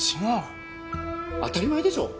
当たり前でしょう。